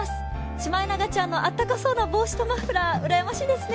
シマエナガちゃんのあったかそうな帽子とマフラー、うらやましいですね。